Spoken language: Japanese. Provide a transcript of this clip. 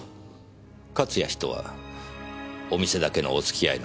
勝谷氏とはお店だけのお付き合いのはずでしたねぇ。